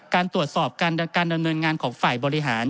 การตรวจสอบการดำเนินงานของฝ่ายบริหาร